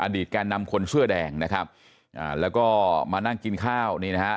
แกนนำคนเสื้อแดงนะครับอ่าแล้วก็มานั่งกินข้าวนี่นะฮะ